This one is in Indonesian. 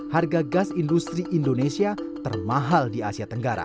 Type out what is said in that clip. harga gas industri indonesia termahal di asia tenggara